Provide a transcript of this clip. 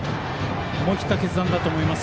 思い切った決断だと思います。